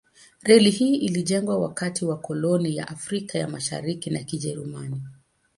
Reli hii ilijengwa wakati wa koloni ya Afrika ya Mashariki ya Kijerumani.